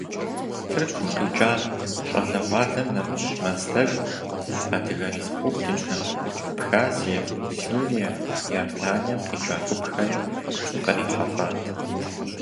Тыркум къикӏа щӏалэгъуалэм нэмыщӏ Мэздэгу, Адыгэ республикэм, Абхазием, Сирием, Иорданием къикӏа гупхэри кърихьэлӏат.